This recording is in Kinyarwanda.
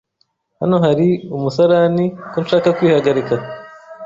Hano hari umusarani ko nshaka kwihagarika?